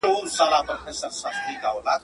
پښتین ته:.